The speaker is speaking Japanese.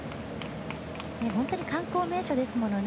本当に観光名所ですものね。